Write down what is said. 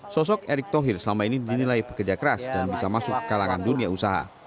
sosok erick thohir selama ini dinilai pekerja keras dan bisa masuk kalangan dunia usaha